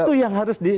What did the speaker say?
itu yang harus di